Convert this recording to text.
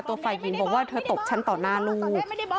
ฝ่ายหญิงบอกว่าเธอตบฉันต่อหน้าลูก